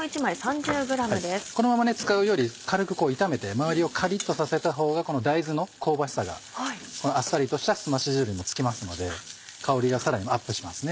このまま使うより軽く炒めて周りをカリっとさせたほうが大豆の香ばしさがあっさりとしたすまし汁にもつきますので香りがさらにアップしますね